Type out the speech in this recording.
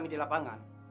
biar dienggit padahal